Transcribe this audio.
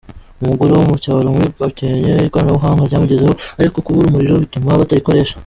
Umugore wo mu cyaro muri Gakenke ikoranabuhanga ryamugezeho, ariko kubura umuriro, bituma batarikoresha.